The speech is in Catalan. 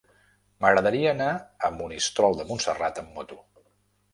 M'agradaria anar a Monistrol de Montserrat amb moto.